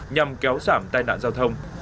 nhằm kéo giảm tai nạn giao thông